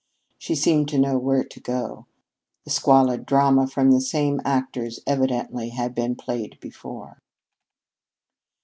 She seemed to know where to go. The squalid drama with the same actors evidently had been played before.